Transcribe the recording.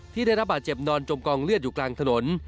ได้รับบาดเจ็บนอนจมกองเลือดอยู่กลางถนน